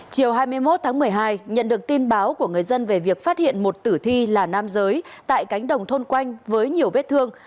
chiều hai mươi một tháng một mươi hai nhận được tin báo của người dân về việc phát hiện một tử thi là nam giới tại cánh đồng thôn quanh với nhiều vết thương